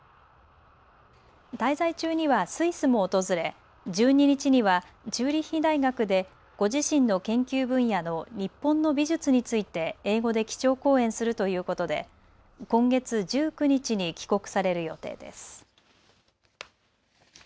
滞在中にはスイスも訪れ１２日にはチューリッヒ大学でご自身の研究分野の日本の美術について英語で基調講演するということで、今月１９日に帰国される予定です。